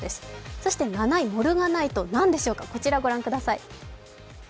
そして７位、モルガナイト、何でしょうか、こちらを御覧ください。